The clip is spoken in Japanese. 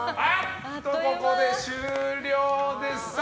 ここで終了です！